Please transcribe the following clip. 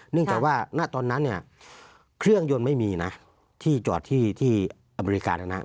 จากว่าณตอนนั้นเนี่ยเครื่องยนต์ไม่มีนะที่จอดที่อเมริกานะนะ